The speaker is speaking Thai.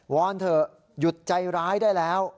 อนเถอะหยุดใจร้ายได้แล้ว